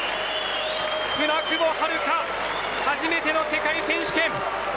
舟久保遥香、初めての世界選手権。